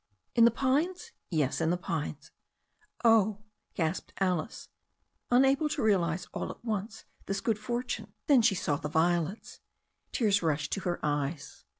"In the pines ?" "Yes, in the pines." "Oh !" gasped Alice, unable to realize all at once this good fortune. Then she saw the violets. Tears rushed to her eyes.